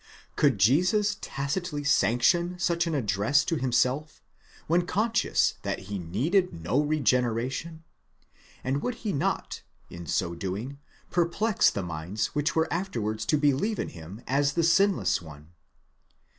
Could Jesus tacitly sanction such an address to himself, when conscious that he needed no regeneration? and would he not, in so doing, perplex the minds which were afterwards to believe in him as the sinless one?